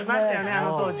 あの当時。